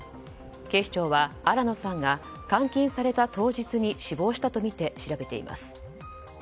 警視庁は、新野さんが監禁された当日に死亡したとみて調べています。